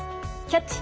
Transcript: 「キャッチ！